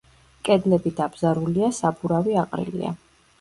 კედლები დაბზარულია, საბურავი აყრილია.